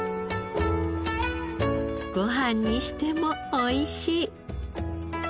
ご飯にしてもおいしい。